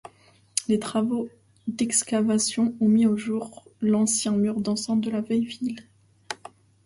Les travaux d'excavation ont mis au jour l'ancien mur d'enceinte de la vieille ville.